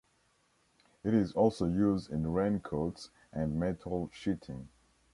It is also used in raincoats and metal sheeting.